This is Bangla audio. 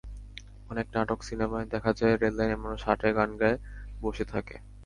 অনেক নাটক, সিনেমায় দেখা যায় রেললাইনে মানুষ হাঁটে, গান গায়, বসে থাকে।